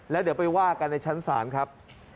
แล้วเดี๋ยวไปว่ากันในชั้นศาลครับ